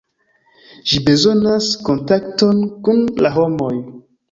Ĝi bezonas kontakton kun la homoj.